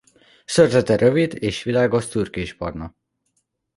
Szőrzete rövid és világos szürkésbarna.